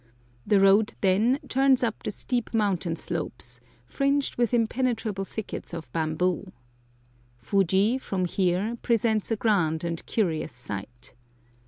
The road then turns up the steep mountain slopes, fringed with impenetrable thickets of bamboo. Fuji, from here, presents a grand and curious sight.